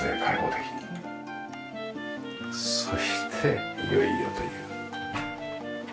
そしていよいよという。